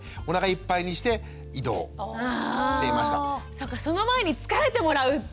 そっかその前に疲れてもらうっていうね。